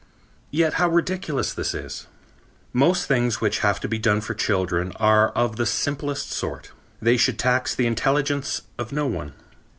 Yet how ridiculous this is. Most things which have to be done for children are of the simplest sort. They should tax the intelligence of no one.